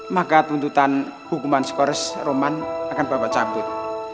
maka tuntutan hukuman skors roman akan bapak cabut